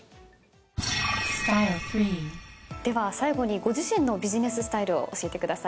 では最後にご自身のビジネススタイルを教えてください。